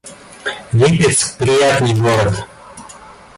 Липецк — приятный город